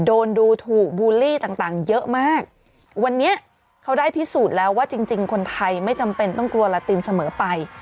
โดนดูถูกบูลลี่ต่างต่างเยอะมากวันนี้เขาได้พิสูจน์แล้วว่าจริงจริงคนไทยไม่จำเป็นต้องกลัวลาตินเสมอไป